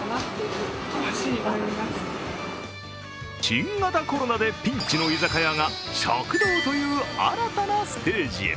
新型コロナでピンチの居酒屋が食堂という新たなステージへ。